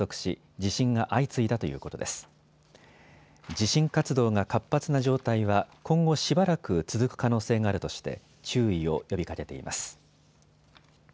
地震活動が活発な状態は今後しばらく続く可能性があるとして注意を呼びかけています。